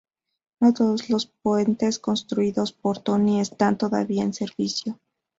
No todos los puentes construidos por Toni están todavía en servicio.